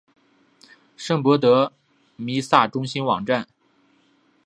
圣博德弥撒中心网站